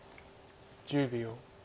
１０秒。